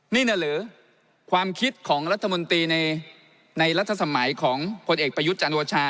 นี่น่ะหรือความคิดของรัฐมนตรีในรัฐสมัยของผลเอกประยุทธ์จันโอชา